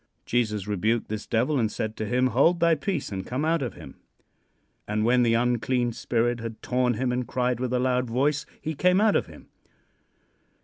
Jesus rebuked this devil and said to him: "Hold thy peace, and come out of him." And when the unclean spirit had torn him and cried with a loud voice, he came out of him.